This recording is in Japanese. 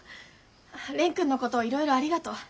蓮くんのこといろいろありがとう。